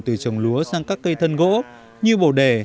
từ trồng lúa sang các cây thân gỗ như bổ đề